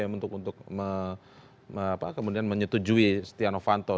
untuk kemudian menyetujui stiano fanto di dpr